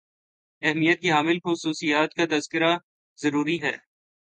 اہمیت کی حامل خصوصیات کا تذکرہ ضروری ہے